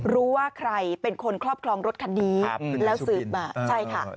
รู้ว่าใครเป็นคนครอบครองรถคันนี้แล้วสืบมาใช่ค่ะ